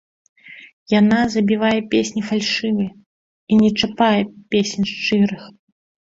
Яна забівае песні фальшывыя і не чапае песень шчырых.